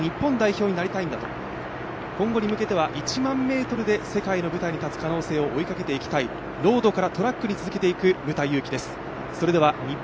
やはり日本代表になりたいんだと、今後に向けては１００００ｍで世界に出ていく可能性を追いかけていきたいロードからトラックに続けていく牟田祐樹です。